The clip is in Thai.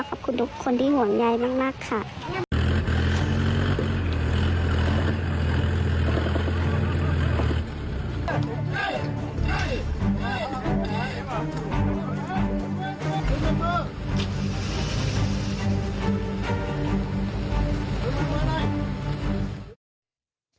ขอบคุณทุกคนที่ห่วงใยมากค่ะ